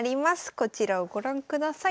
こちらをご覧ください。